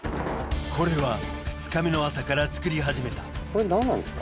これは２日目の朝から作り始めたこれ何なんですか？